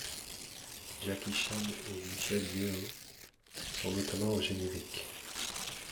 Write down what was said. Jackie Chan et Michelle Yeoh sont notamment au générique.